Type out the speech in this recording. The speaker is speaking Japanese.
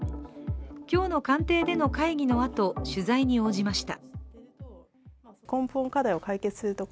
今日の官邸での会議のあと、取材に応じました。